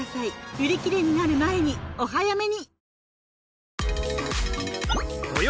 売り切れになる前にお早めに！